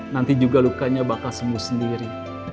nanti juga lukanya bakal sembuh sendiri